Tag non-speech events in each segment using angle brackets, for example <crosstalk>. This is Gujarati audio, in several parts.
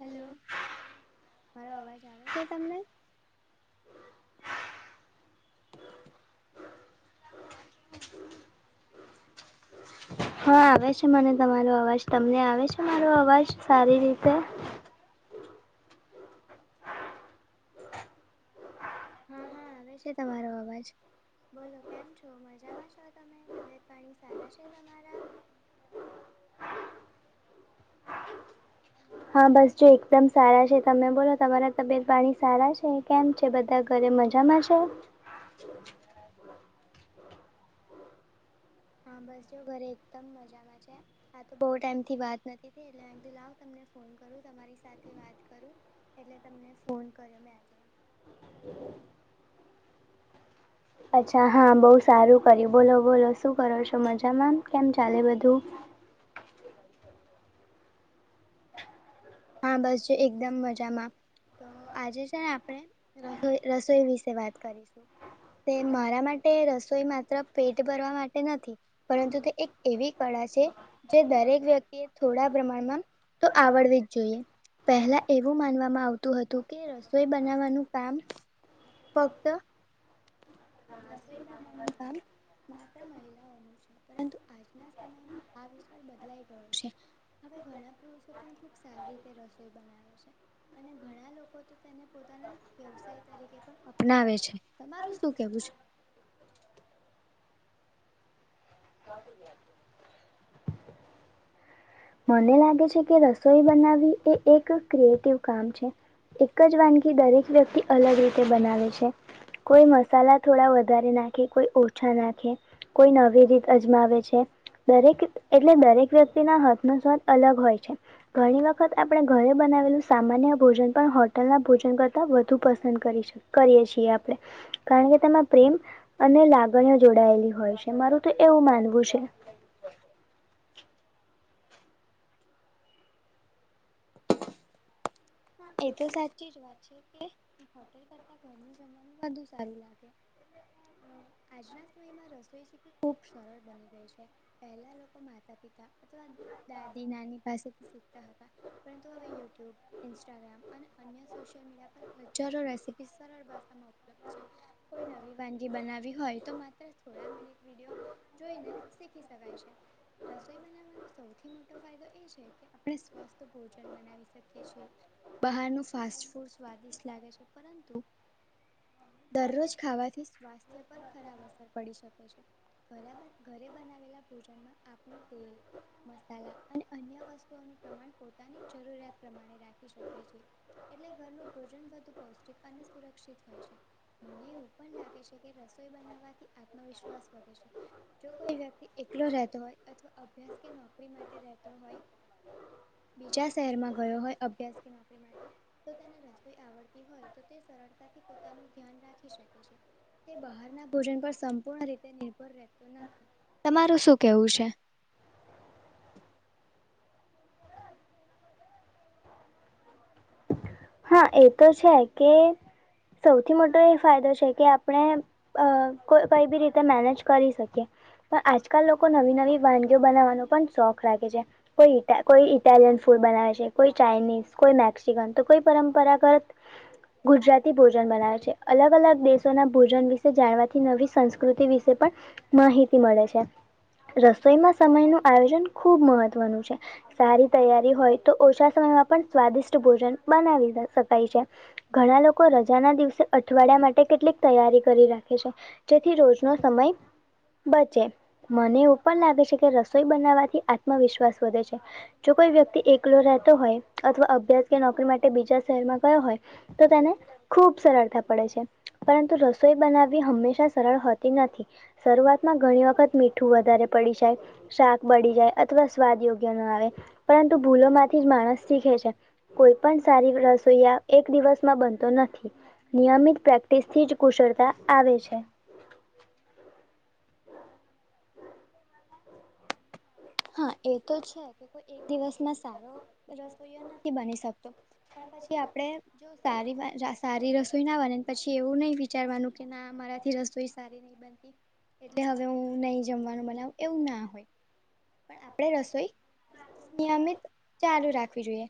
હેલો મારો અવાજ આવે છે તમને હ હા આવે છે મને તમારો અવાજ તમને આવે છે મારો અવાજ સારી રીતે હા હા આવે છે તમારો અવાજ બોલો કેમ છો મજામાં છો તમે તબિયત પાણી સારા છે તમારા હા બસ જો એકદમ સારા છે તમે બોલો તમારા તબિયત પાણી સારા છે કેમ જે બધા ઘરે મજામાં છે હા બસ જોઓ ઘરે એકદમ મજામાં આ તો બહુ ટાઈમ થી વાત નથી લાવ તમને ફોન કરું તમારી સાથે વાત કરું એટલે તમને ફોન કર્યો મેં આજે હ અચ્છા હા બહુ સારું કર્યું બોલો બોલો શું કરો છો મજામાં કેમ ચાલે બધું? હા બસ છે એકદમ મજામાં તો આજે છે ને આપણે રસો રસોઈ વિશે વાત કરીશું તે મારા માટે રસોઈ માત્ર પેટ ભરવા માટે નથી. પરંતુ તે એક એવી કળા છે જે દરેક વ્યક્તિ એ થોડા પ્રમાણમાં તો આવડવી જ જોઇએ પહેલા એવું માનવામાં આવતું હતું કે રસોઈ બનાવવાનું કામ ફક્ત રસોઈ બનાવાનું કામ માત્ર મહિલાઓનું પરંતુ આજના સમયમાં આ વિચાર બદલાઈ ગયો છે. હવે ઘણા પુરુષો પણ ખુબ સારી રીતે રસોઈ બનાવે છે. અને ઘણા લોકો તો તેને પોતાના વ્યવસાય તરીકે પણ અપનાવે છે તમારું શું કેવું છે? મને લાગે છે કે રસોઈ બનાવવી એ એક ક્રિએટિવ કામ છે. એક જ વાનગી દરેક વ્યક્તિ અલગ રીતે બનાવે છે. કોઈ મસાલા થોડા વધારે નાખે કોઈ ઓછા નાખે કોઈ નવી રીત અજમાવે છે દરેક એટલે દરેક વ્યક્તિના હાથ નો સ્વાદ અલગ હોય છે. ઘણી વખત આપણે ઘરે બનાવેલું સામાન્ય ભોજન પણ હોટલ ના ભોજન કરતા વધુ પસંદ કરીશ કરીએ છીએ આપડે કારણ કે તેમાં પ્રેમ અને લાગણીઓ જોડાયેલી હોય છે મારું તો એવું માનવું છે. હા એ તો સાચી જ વાત છે કે હોટેલ કરતા ઘરનું જમવાનું વધુ સારું લાગે આજના સમયમાં રસોઈ છે કે ખૂબ સરળ બની ગઈ છે. પહેલા લોકો માતા પિતા અથવા દાદી નાની પાસેથી શીખતા હતા. પરંતુ હવે યુટ્યુબ ઇન્સ્ટાગ્રામ અને અન્ય સોશિયલ મીડિયા પર હજારો રેસીપી સરળ ભાષામાં <inaudible> કોઈ નવી વાનગી બનાવી હોય તો માત્ર થોડા મિનિટ વિડીયો જોઈને શીખી શકાય છે. રસોઈ બનાવવાનો સૌથી મોટો ફાયદો એ છે કે આપણે સ્વસ્થ ભોજન બનાયી આવી શકે છે બહારનું ફાસ્ટ ફૂડ સ્વાદિષ્ટ લાગે છે પરંતુ દરરોજ ખાવાથી સ્વાસ્થ્ય પર ખરાબ અસર પડી શકે છે. બરાબર ઘરે બનાવેલ ભોજનમાં આપે તેલ મસાલા અને અન્ય વસ્તુઓનું પ્રમા પણ પોતાની જરૂરિયાત પ્રમાણે રાખે શકે છે એટલે ઘરનું ભોજન વધુ પૌષ્ટિક અને સ્થ રક્ષિત હોય છે. મને એવું પણ લાગે છે કે રસોઈ બનાવવાથી આત્મ વિશ્વાસ વધે છે. જો કોઈ વ્યક્તિ એકલો રહેતો હોય અથવા અભ્યાસ કે નોકરી માટે રેહ તો હોય બીજા શહેરમાં ગયો હોય અભ્યાસ કે નોકરી માટે તો તેને રસોઈ આવડતી હોય તો તે સરળતા પોતાનું ધ્યાન રાખી શકે છે. તે બહારના ભોજન પર સંપૂર્ણ રીતે નિર્ભર રહેતો ન તમારું શું કેવું છે? હા એ તો છે કે સૌથી મોટો એ ફાયદો છે કે આપણે અ કો કઈ બી રીતે મેનેજ કરી શકીએ. પણ આજકાલ લોકો નવી નવી વાનગીઓ બનાવવાનો પણ શોખ રાખે છે. કોઈ ઇટા કોઈ ઇટાલિયન ફૂડ બનાવે છે, કોઈ ચાઇનીઝ કોઈ મેક્સિકન તો કોઈ પરંપરાગત ગુજરાતી ભોજન બનાવે છે. અલગ અલગ દેશોના ભોજન વિશે જાણવાથી નવી સંસ્કૃતિ વિશે પણ માહિતી મળે છે. રસોઈમાં સમય નું આયોજન ખુબ મહત્વનું છે. સારી તૈયારી હોય તો ઓછા સમયમાં પણ સ્વાદિષ્ટ ભોજન બનાવી શકાય છે. ઘણા લોકો રજાના દિવસે અઠવાડિયા માટે કેટલીક તૈયારી કરી રાખે છે. જેથી રોજ નો સમય બચે મને એવું પણ લાગે છે કે રસોઈ બનાવવાથી આત્મવિશ્વાસ વધે છે. જો કોઈ વ્યક્તિ એકલો રહેતો હોય અથવા અભ્યાસ કે નોકરી માટે તે બીજા શહેરમાં ગયો હોય તો તેને ખુબ સરળતા પડે છે. પરંતુ રસોઈ બનાવવી હંમેશા સરળ હોતી નથી. શરૂઆતમાં ઘણી વખત મીઠું વધારે પડી જાય શાક બળી જાય અથવા સ્વાદ યોગ્ય ના આવે પરંતુ ભૂલો માંથી જ માણસ શીખે છે કોઈ પણ સારી રસોઈયા એક દિવસમાં બનતો નથી. નિયમિત પ્રેક્ટિસથી જ કુશળતા આવે છે. હા એ તો છે કે કોઈ એક દિવસમાં સારો રસોઈયો નથી બની શકતો પણ પછી આપડે જો સારી વાર સારી રસોઈ ના બને પછી એવું નહી વિચારવાનું કે ના મારાથી રસોઈ સારી નહી એટલે હવે હું નહી જમવાનું બનાવું એવું ના હોય. પણ આપણે રસોઈ નિયમિત ચાલુ રાખવી જોઈએ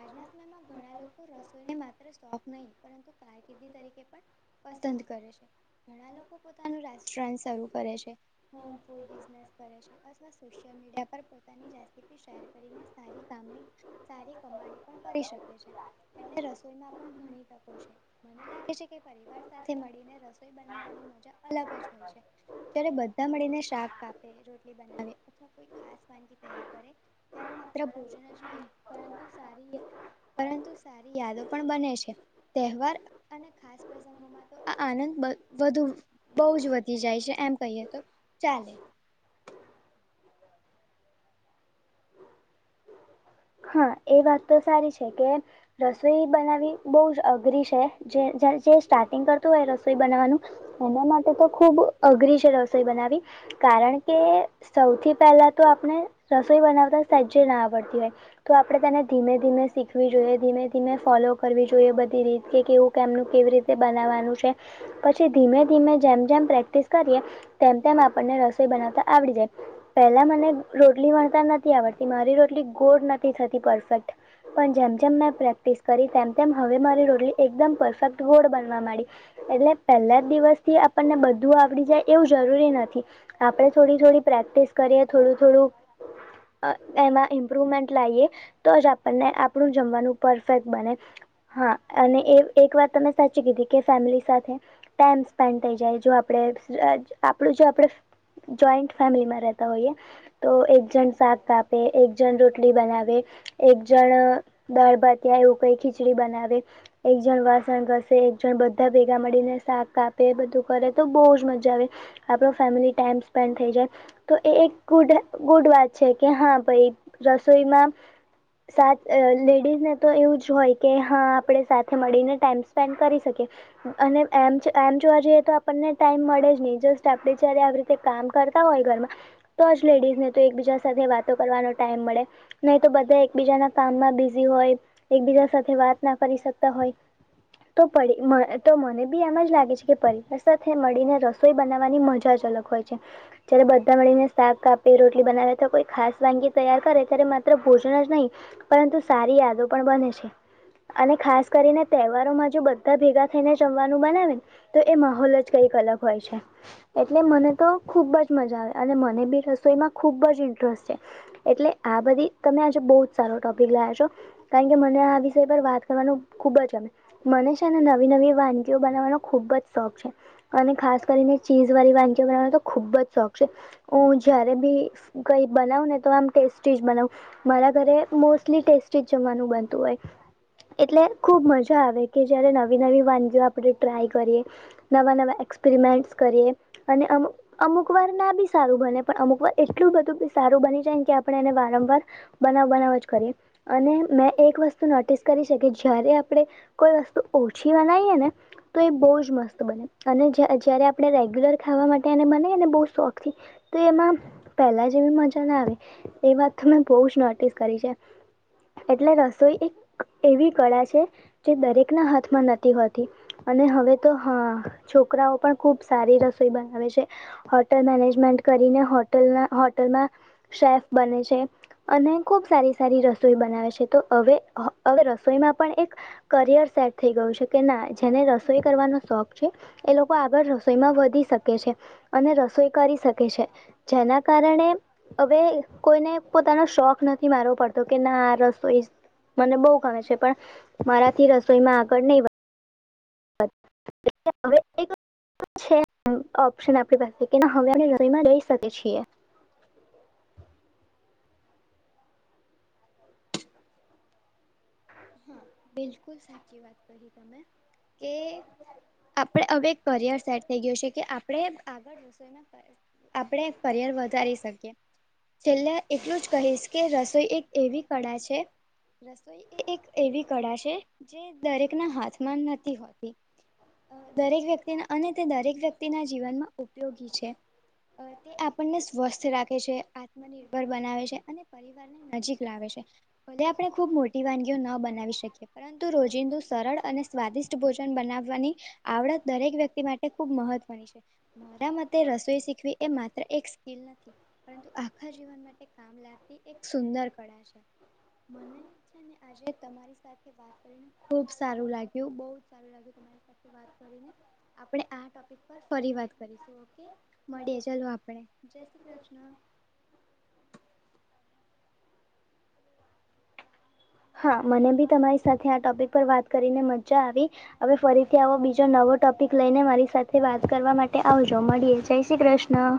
આજના સમયમાં ઘણા લોકો રસોઈને માત્ર સોક નહીં પરંતુ કારકિર્દી તરીકે પણ પસંદ કરે છે. ઘણા લોકો પોતાનું રેસ્ટોરન્ટ શરૂ કરે છે હોમ ફૂડ બિઝનેસ કરે છે અથવા સોશિયલ સોશિય મીડિયા પર પોતાની રેસીપી શેર કરીને સારી કામણી સારી કમાણી પણ કરી શકે છે. એટલે રસોઈમાં પણ ઘણી તકો છે મને લાગે છે કે પરિવાર સાથે મળીને રસોઈ બનાવ નાવવાની મજા અલગ જ હોય છે જ્યારે બધા મળીને શાક કાપે રોટલી બનાવે અથવા કોઈ ખાસ વાનગી તૈયાર કરે ત્યારે માત્ર ભોજન જ નહી પરંતુ સારી પરંતુ સારી યાદો પણ બને છે તહેવાર અને ખાસ વસ્તુ પ્રસંગોમાં તો આ આનંદ વધુ બહુ જ વધી જાય છે એમ કહીએ તો ચાલે હા એ વાત તો સારી છે કે રસોઈ બનાવી બહુ જ અઘરી છે જે જે સ્ટાર્ટિંગ કરતું હોય રસોઈ બનાવાનું. એના માટે તો ખૂબ અઘરી છે રસોઈ બનાવી કારણ કે સૌથી પહેલા તો આપણે રસોઈ બનાવતા સેજ્જે ના આવડતી હોય. તો આપણે તેને ધીમે ધીમે શીખવી જોઈએ ધીમે ધીમે ફોલો કરવી જોઈએ બધી રીત કે કેવું એમેંનું કેવી રીતે બનાવાનું છે. પછી ધીમે ધીમે જેમ જેમ પ્રેક્ટિસ કરીએ તેમ તેમ આપણને રસોઈ બનાવતા આવડી જાય. પેલા મને રોટલી વણતા નથી આવડતી મારી રોટલી ગોડ નથી થતી પરફેક્ટ પણ જેમ જેમ મેં પ્રેક્ટિસ કરી તેમ તેમ હવે મારી રોટલી એકદમ પરફેક્ટ ગોડ બનવા માંડી એટલે પહેલા જ દિવસથી આપણને બધું આવડી જાય એવું જરૂરી નથી. આપડે થોડી થોડી પ્રેક્ટિસ કરીએ થોડું થોડું અ એમાં ઇમ્પ્રુવમેન્ટ લાઈએ તો જ આપણને આપણું જમવાનું પરફેક્ટ બને. હા અને એ એક વાત તમે સાચી કીધી કે ફેમિલી સાથે ટાઈમ સ્પેન્ડ થઈ જાય જો આપડે આપણું જો આપડે. જોઈન્ટ ફેમિલીમાં રહેતા હોય તો એક જન શાક કાપે એક જણ ર ખીચડી બનાવે એક જણ દાળ ભાત એવું કઈ ખીચડી બનાવે એક જણ વાસણ કરસે એક જણ બધા ભેગા મળીને શાક કાપે બધું કરે તો બહુ જ મજા આવે આપણો ફેમિલી ટાઈમ સ્પેન્ડ થઈ જાય તો એ એક ગુડ ગુડ વાત છે કે હા ભાઈ રસોઈમાં સાત લેડીઝને તો એવું જ હોય કે હા આપણે સાથે મળીને ટાઈમ સ્પેન્ડ કરી શકીએ અનેમ એમ જોવા જઈએ તો આપણને ટાઈમ મળે જ નહી જસ્ટ આપડે જય્યારે આવી કામ કરતા હોય ઘરમાં તો જ લેડીઝ ને તો એકબીજા સાથે વાતો કરવાનો ટાઈમ મળે નહી તો બધા એકબીજાના કામમાં બિઝી હોય એકબીજા સાથે વાત ના કરી શકતા હોય તો પરિ તો મને બી એમ જ લાગે છે કે પરિવાર સાથે મળીને રસ સોઈ બનાવવાની મજા જ અલગ હોય છે જયારે બધા મળીને સાખ કાપે રોટલી બનાવે તો કોઈ ખાસ વાનગી તૈયાર કરે ત્યારે માત્ર ભોજન જ નહીં પરંતુ સારી યાદો પણ બને છે અને ખાસ કરીને તહેવારો માં જો બધા ભેગા થઈને જમવાનું બનાવે ને તો એ માહોલ જ કઈક અલગ હોય છે એટલે મને તો ખૂબ જ મજા આવે અને મને બી રસોઈમાં ખૂબ જ ઇન્ટરેસ્ટ છે એટલે આ બધી તમે આજે બહુ જ સારો ટોપિક લાવ્યા છો કારણ કે મને આ વિષય પર વાત કરવાનું ખૂબ જ ગમે મને છે ને નવી નવી વાનગીઓ બનાવવાનો ખૂબ જ શોખ છે અને ખાસ કરીને ચીઝ વાળી વાનગીઓ બનાવવાનો તો ખુબ જ શોખ છે હું જયારે બી કઈ બનાવ ને તો આમ ટેસ્ટી જ બનાવું મારા ઘરે મોસ્ટલી ટેસ્ટી જમવાનું બનતું હોય એટલે ખુબ મજા આવે કે જયારે નવી નવી વાનગીઓ આપણે ટ્રાય કરીએ નવા નવા એક્સપેરિમેન્ટસ કરીએ અને અમુક વાર ના બી સારું બને પણ અમુક વાર એટલું બધું સારું બની જાય કે એને વારંવાર બનાવ બનાવ જ કરી અને મેં એક વસ્તુ નોટિસ કરી શકી જય્યારે આપણે કોઈ વસ્તુ ઓછી બનાઈ ને તો એ બહુ જ મસ્ત બને અને જયારે આપણે રેગ્યુલર ખાવા માટે બનાવી ને બહું સોખથી તે એમાં પહેલા જેવી મજા ના આવે એ વાત મેં બહુ જ નોટિસ કરી છે એટલે રસોઈ એક એવી કળા છે જે દરેકના હાથમાં નથી હોતી અને હવે તો હા છોકરાઓ પણ ખુબ સારી રસોઈ બનાવે છે હોટલ મેનેજમેન્ટ કરીને હોતલ હોટલમાં શેફ બને છે અને ખુબ સારી સારી રસોઈ બનાવે છે તો હવે હવે રસોઈમાં પણ એક કરિયર સેટ થઈ ગયું છે કે ના જેને રસોઈ કરવાનો શોખ છે એ લોકો આગળ રસોઈમાં વધી શકે છે અને રસોઈ કરી શકે છે જેના કારણે હવે કોઈને પોતાનો શોખ નથી મારવો પડતો કે ના આ રસોઈ મને બહુ ગમે છે પણ મારાથી રસોઈમાં આગળ નહી એ હવે એક છે ઓપ્શન આપણી પાસે કે ના હવે <unintelligible> રઈ શકી છીએ હા બિલકુલ સાચી વાત તમે કે આપણે હવે એક કરિયર સેટ થઈ ગયો છે કે આપણે આગળ રસોઈમાં આપણે કરિયર વધારી શકીએ છેલ્લે એટલું જ કહીશ કે રસોઈ એક એવી કળા છે રસોઈ એ એક એવી કળા છે જે દરેકના હાથમાં નથી હોતી દરેક વ્યક્તિના અને તે દરેક વ્યક્તિના જીવનમાં ઉપયોગી છે અ તે આપણને સ્વસ્થ રાખે છે આત્મનિર્ભર બનાવે છે અને પર નજીક લાવે છે ભલે આપડણે ખુબ મોટી વાનગીઓ ન બનાવી શકીએ પરંતુ રોજિંદુ સરળ અને સ્વાદિષ્ટ ભોજન બનાવવાની આવડત દરેક વ્યક્તિ માટે ખૂબ મહત્ત્વની છે મારા મતે રસોઈ શીખવી એ માત્ર એક સ્કિલ નથી પરંતુ આખા જીવન માટે <unintelligible> એક સુંદર કળા છે મને આજે તમારી સાથે વાત કરીને ખુબ સારું લાગ્યું બહું સારું લાગ્યું તમારી સાથે વાત કરીને આપણે આ ટોપિક પર ફરી વાત કરીશું ઓકે મળીએ ચાલો આપડે જય શ્રી કૃષ્ણ હા મને બી તમારી સાથે આ ટોપિક પર વાત કરીને મજા આવી હવે ફરીથી આવો બીજો નવો ટોપિક લઈને મારી સાથે વાત કરવા માટે આવજો મળીએ જય શ્રી કૃષ્ણ ના